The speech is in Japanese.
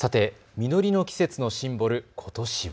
実りの季節のシンボル、ことしは。